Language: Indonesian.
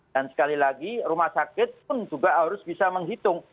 dan sekali lagi rumah sakit pun juga harus bisa menghitung